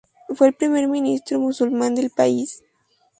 Fue el primer ministro musulmán del país.